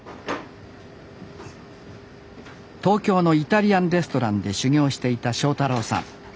東京のイタリアンレストランで修業をしていた正太郎さん。